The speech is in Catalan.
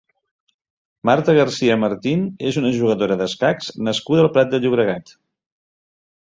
Marta García Martín és una jugadora d'escacs nascuda al Prat de Llobregat.